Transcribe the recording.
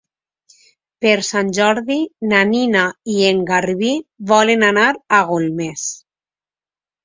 Per Sant Jordi na Nina i en Garbí volen anar a Golmés.